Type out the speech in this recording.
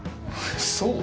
そう？